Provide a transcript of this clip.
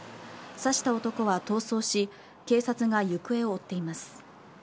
刺した男は逃走し警察が行方を追っています。